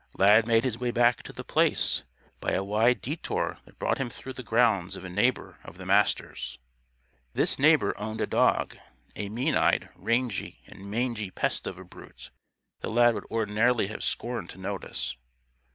Lad made his way back to The Place by a wide detour that brought him through the grounds of a neighbor of the Master's. This neighbor owned a dog a mean eyed, rangy and mangy pest of a brute that Lad would ordinarily have scorned to notice.